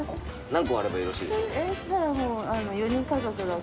何個あればよろしいですか？